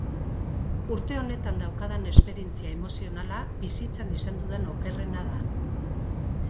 Une honetan daukadan esperientzia emozionala bizitzan izan dudan okerrena da.